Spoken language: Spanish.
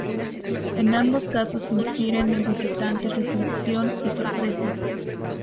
En ambos casos inspira en el visitante reflexión y sorpresa.